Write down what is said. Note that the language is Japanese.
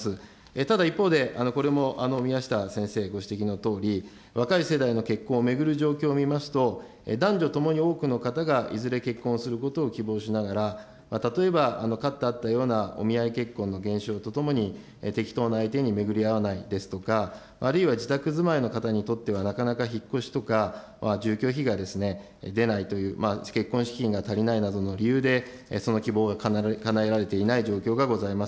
ただ一方で、これも宮下先生ご指摘のとおり、若い世代の結婚を巡る状況を見ますと、男女ともに多くの方が、いずれ結婚することを希望しながら、例えばかつてあったようなお見合い結婚の減少とともに、適当な相手に巡り合わないですとか、あるいは自宅住まいの方にとっては、なかなか引っ越しとかは住居費が出ないという、結婚資金が足りないなどの理由で、その希望がかなえられていない状況がございます。